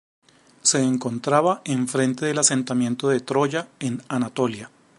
Se encontraba enfrente del asentamiento de Troya en Anatolia.